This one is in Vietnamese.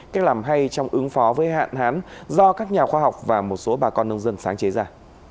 cách làm hay trong ứng phó với hạn hán do các nhà khoa học và một số bà con nông dân sáng chế ra